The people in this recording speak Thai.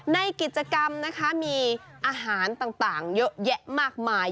ในกิจกรรมนะคะมีอาหารต่างเยอะแยะมากมาย